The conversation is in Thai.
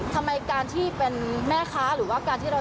ทำไมการที่เป็นแม่ค้าหรือว่าการที่เรา